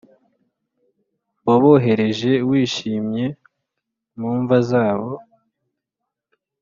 wabohereje wishimye mu mva zabo